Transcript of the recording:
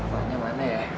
wah nyaman ya